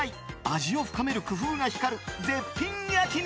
味を深める工夫が光る絶品焼肉。